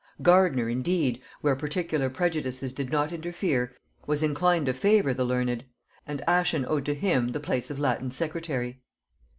Gardiner indeed, where particular prejudices did not interfere, was inclined to favor the learned; and Ascham owed to him the place of Latin secretary.